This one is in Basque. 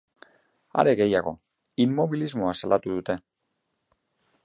Are gehiago, inmobilismoa salatu dute.